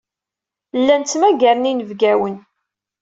Llan ttmagaren inebgawen.